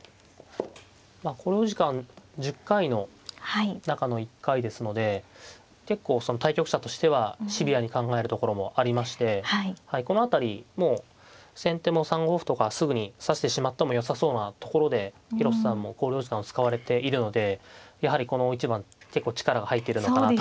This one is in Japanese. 考慮時間１０回の中の１回ですので結構対局者としてはシビアに考えるところもありましてこの辺りもう先手も３五歩とかすぐに指してしまってもよさそうなところで広瀬さんも考慮時間を使われているのでやはりこの大一番結構力が入っているのかなと。